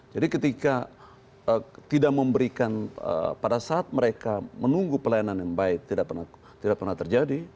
jadi ketika tidak memberikan pada saat mereka menunggu pelayanan yang baik tidak pernah terjadi